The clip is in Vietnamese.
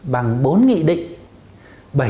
bằng bốn nghị định